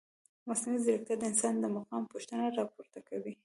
مصنوعي ځیرکتیا د انسان د مقام پوښتنه راپورته کوي.